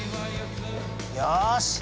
よし！